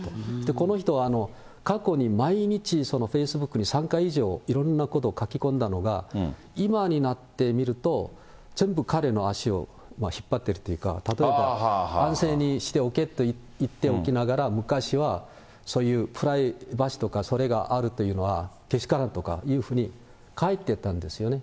この人は過去に毎日フェイスブックに３回以上、いろんなことを書き込んだのが、今になってみると、全部彼の足を引っ張ってるというか、例えば、安静にしておけと言っておきながら、昔はそういうプライバシーとかそれがあるというのは、けしからんとかいうふうに書いてたんですよね。